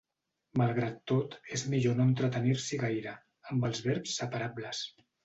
Malgrat tot, és millor no entretenir-s'hi gaire, amb els verbs separables.